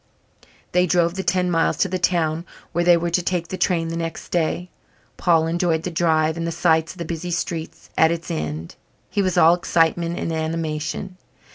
They drove the ten miles to the town where they were to take the train the next day. Paul enjoyed the drive and the sights of the busy streets at its end. He was all excitement and animation.